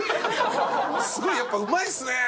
すごいやっぱうまいっすね